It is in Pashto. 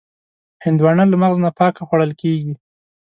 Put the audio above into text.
هندوانه له مغز نه پاکه خوړل کېږي.